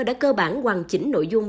đã cơ bản hoàn chỉnh nội dung